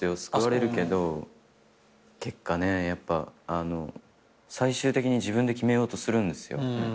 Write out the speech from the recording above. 救われるけど結果ねやっぱ最終的に自分で決めようとするんですよ。